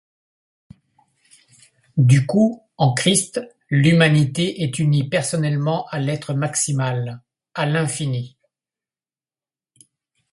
Du coup, en Christ, l'humanité est unie personnellement à l'Être maximal, à l'Infini.